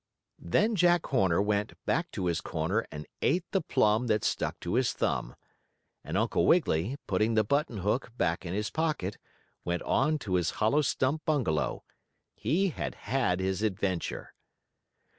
Then Jack Horner, went back to his corner and ate the plum that stuck to his thumb. And Uncle Wiggily, putting the button hook back in his pocket, went on to his hollow stump bungalow. He had had his adventure.